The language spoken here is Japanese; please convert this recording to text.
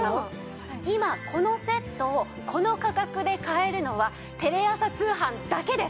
今このセットをこの価格で買えるのはテレ朝通販だけです！